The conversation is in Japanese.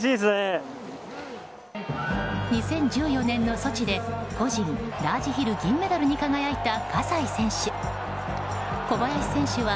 ２０１４年のソチで個人ラージヒル銀メダルに輝いた葛西選手。